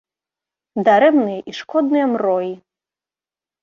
Дарэмныя і шкодныя мроі!